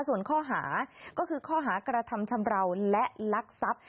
ส่วนข้อหาก็คือข้อหากระทำชำราวและลักทรัพย์